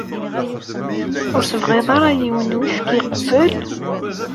Ur tebɣiḍ ara yiwen n whisky qebel?